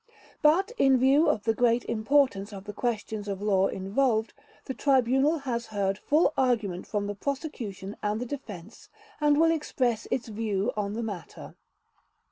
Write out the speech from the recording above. But in view of the great importance of the questions of law involved, the Tribunal has heard full argument from the Prosecution and the Defense, and will express its view on the matter.